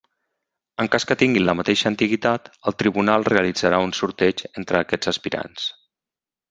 En cas que tinguin la mateixa antiguitat, el tribunal realitzarà un sorteig entre aquests aspirants.